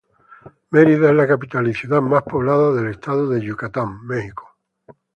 Mérida es la capital y ciudad más poblada del estado de Yucatán, México.